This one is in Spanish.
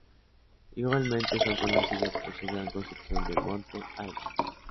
Igualmente son conocidos por su gran construcción de Monte Albán.